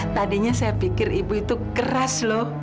tadinya saya pikir ibu itu keras loh